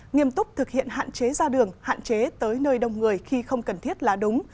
nghiêm túc thực hiện hạn chế ra đường hạn chế tới nơi đông người khi không cần thiết là đúng